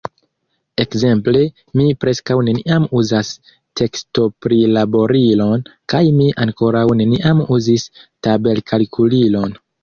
Ekzemple, mi preskaŭ neniam uzas tekstoprilaborilon, kaj mi ankoraŭ neniam uzis tabelkalkulilon.